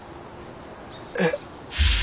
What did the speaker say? えっ？